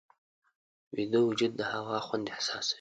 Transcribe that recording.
ویده وجود د هوا خوند احساسوي